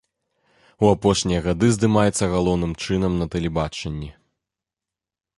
У апошнія гады здымаецца галоўным чынам на тэлебачанні.